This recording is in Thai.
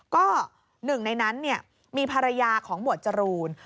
ก็หนึ่งในนั้นมีภรรยาของหมวดจรูน